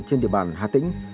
trên địa bàn hà tĩnh